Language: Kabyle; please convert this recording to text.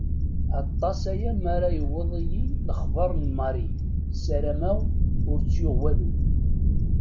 Aṭas-aya ma yewweḍ-iyi lexbeṛ n Marie ; ssarameɣ ur tt-yuɣ walu.